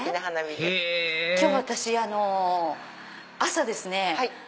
へぇ今日私朝ですね